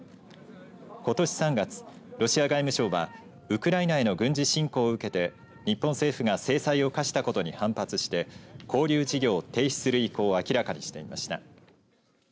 ことし３月ロシア外務省はウクライナへの軍事侵攻を受けて日本政府が制裁を科したことに反発して交流事業を停止する意向を明らかにしていました。